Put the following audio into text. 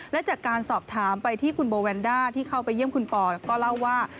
และจากการสอบถามไปที่คุณโบแวนด้าที่เข้าไปเยี่ยมคุณปอก็เล่าว่า